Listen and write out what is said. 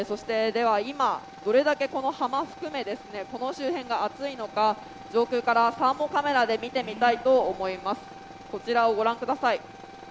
では、今、どれだけ浜を含め、この周辺が暑いのか、上空からサーモカメラで見てみたいと思います。